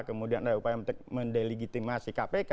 kemudian ada upaya mendeligitimasi